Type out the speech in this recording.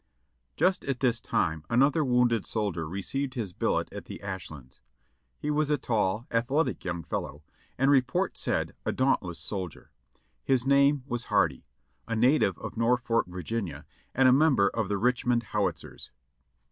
Just at this time another wounded soldier received his billet at the Ashlin's. He was a tall, athletic young fellow, and report said, a dauntless soldier; his name was Hardy; a native of Nor folk, Virginia, and a member of the Richmond Howitzers.